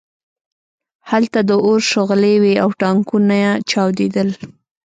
هلته د اور شغلې وې او ټانکونه چاودېدل